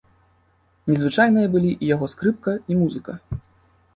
Незвычайныя былі і яго скрыпка, і музыка.